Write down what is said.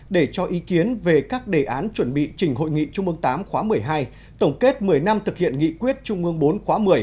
để cho ý kiến về các đề án chuẩn bị trình hội nghị trung mương viii khóa một mươi hai tổng kết một mươi năm thực hiện nghị quyết trung mương iv khóa một mươi